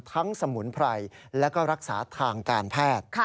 ทั้งสมุนไพรและรักษาทางการแพทย์